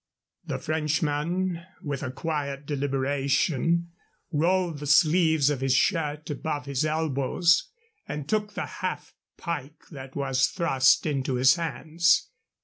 The Frenchman, with a quiet deliberation, rolled the sleeves of his shirt above his elbows and took the half pike that was thrust into his hands.